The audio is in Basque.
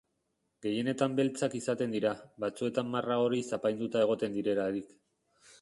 Gehienetan beltzak izaten dira, batzuetan marra horiz apainduta egoten direlarik.